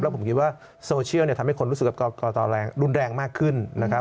แล้วผมคิดว่าโซเชียลทำให้คนรู้สึกกับก่อต่อแรงรุนแรงมากขึ้นนะครับ